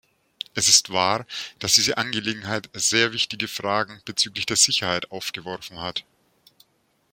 Es ist wahr, dass diese Angelegenheit sehr wichtige Fragen bezüglich der Sicherheit aufgeworfen hat.